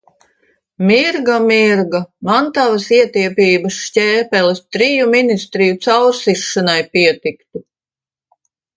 Mirga, Mirga, man tavas ietiepības šķēpeles triju ministriju caursišanai pietiktu!